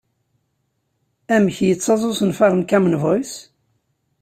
Amek yettaẓ usenfar n Common Voice?